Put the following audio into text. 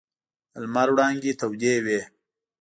د لمر وړانګې تودې وې.